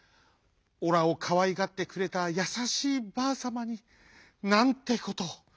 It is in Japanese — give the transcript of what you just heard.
オラをかわいがってくれたやさしいばあさまになんてことを。